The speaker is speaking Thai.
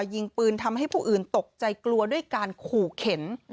ยิงปืนทำให้ผู้อื่นตกใจกลัวด้วยการขู่เข็น